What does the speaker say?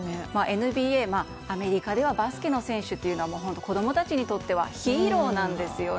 ＮＢＡアメリカではバスケの選手って本当に子供たちにとってはヒーローなんですよね。